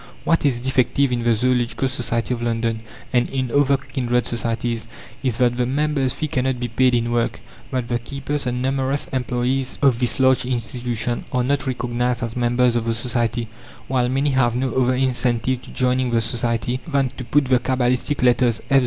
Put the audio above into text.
What is defective in the Zoological Society of London, and in other kindred societies, is that the member's fee cannot be paid in work; that the keepers and numerous employes of this large institution are not recognized as members of the Society, while many have no other incentive to joining the society than to put the cabalistic letters F.Z.